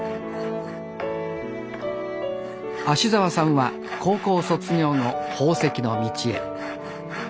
芦沢さんは高校卒業後宝石の道へ。